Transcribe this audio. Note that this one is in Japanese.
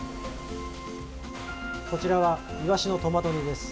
こちらは、イワシのトマト煮です。